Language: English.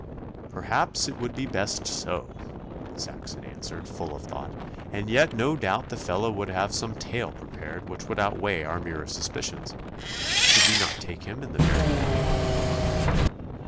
'Perhaps it would be best so,' Saxon answered, full of thought, 'and yet no doubt the fellow would have some tale prepared which would outweigh our mere suspicions. Could we not take him in the very act?